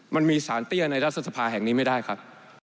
มันมีสารเตี้ยในรัฐสภาแห่งนี้ไม่ได้ครับ